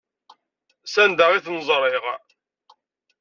S anda i ten-ẓṛiɣ.